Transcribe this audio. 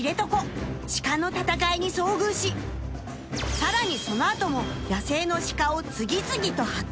［鹿の戦いに遭遇しさらにその後も野生の鹿を次々と発見］